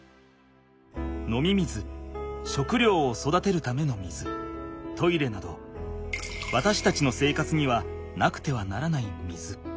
飲み水食料を育てるための水トイレなどわたしたちの生活にはなくてはならない水。